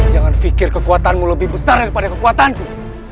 jangan pikir kekuatanmu lebih besar daripada kekuatanku